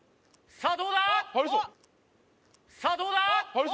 さあどうだ？